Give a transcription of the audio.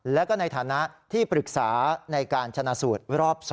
แล้วก็ในฐานะที่ปรึกษาในการชนะสูตรรอบ๒